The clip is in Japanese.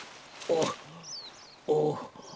おお。